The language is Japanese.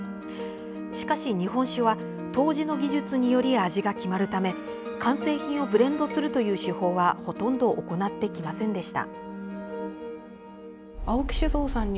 しかし、日本酒は杜氏の技術により味が決まるため完成品をブレンドするという手法はほとんど行ってきませんでした。